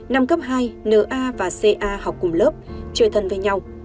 năm cấp hai na và ca học cùng lớp chơi thân với nhau